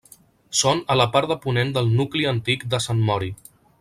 Són a la part de ponent del nucli antic de Sant Mori.